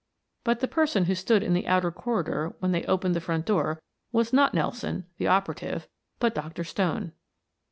But the person who stood in the outer corridor when they opened the front door was not Nelson, the operative, but Dr. Stone.